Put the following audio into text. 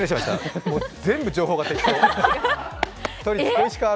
全部情報が適当。